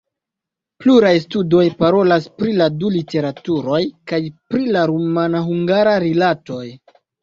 Pluraj studoj parolas pri la du literaturoj kaj pri la rumana-hungara rilatoj.